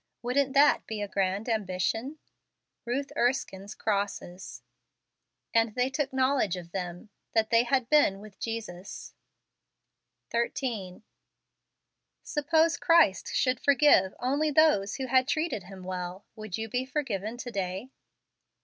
Wouldn't that be a grand ambition ? Ruth Erskinc's Crosses. " And they took knowledge of them, that they had been with Jestis ." 13. Suppose Christ should forgive only those who had treated him well; would you be forgiven to day